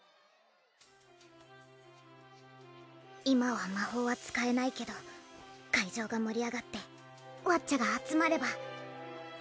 今は魔法は使えないけど会場が盛り上がってワッチャが集まれば。